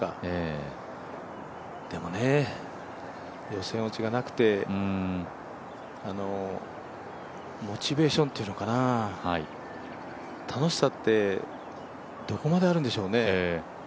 でもね、予選落ちがなくてモチベーションというのかな楽しさってどこまであるんでしょうね。